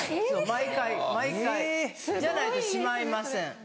そう毎回毎回じゃないとしまいません。